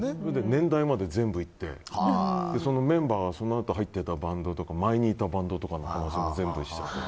年代まで全部言ってメンバーがそのあと入ってたバンドとか前にいたバンドとかの話も全部しちゃって。